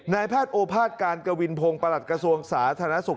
นายแพทย์โอภาษการกวินพงศ์ประหลัดกระทรวงสาธารณสุข